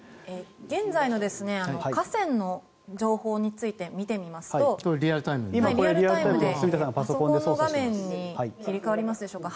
現在の河川の情報について見てみますとリアルタイムでパソコンの画面に切り替わりますでしょうか。